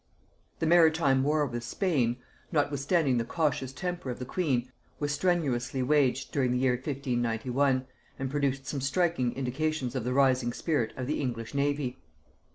The maritime war with Spain, notwithstanding the cautious temper of the queen, was strenuously waged during the year 1591, and produced some striking indications of the rising spirit of the English navy.